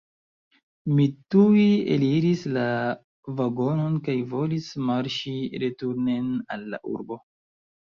Mi tuj eliris la vagonon kaj volis marŝi returnen al la urbo.